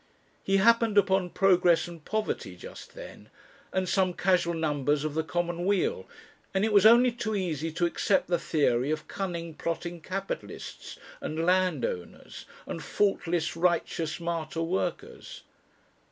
He happened upon "Progress and Poverty" just then, and some casual numbers of the "Commonweal," and it was only too easy to accept the theory of cunning plotting capitalists and landowners, and faultless, righteous, martyr workers.